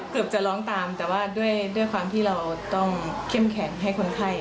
เกือบจะร้องตามแต่ว่าด้วยความที่เราต้องเข้มแข็งให้คนไข้